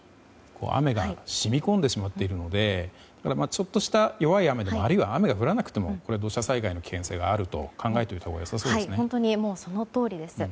雨が染み込んでしまっているのでちょっとした弱い雨あるいは雨が降らなくても土砂災害の危険性があると考えておいたほうがよさそうですね。